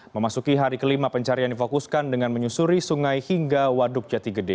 memasuki hari kelima pencarian difokuskan dengan menyusuri sungai hingga waduk jati gede